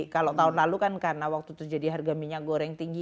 kalau tahun lalu kan karena waktu terjadi harga minyak goreng tinggi